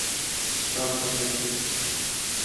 کم ہو رہی تھِی